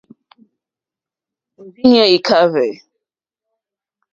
Òrzìɲɛ́ î kàhwé.